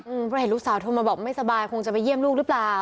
เพราะเห็นลูกสาวโทรมาบอกไม่สบายคงจะไปเยี่ยมลูกหรือเปล่า